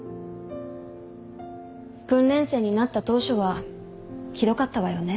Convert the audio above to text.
訓練生になった当初はひどかったわよね。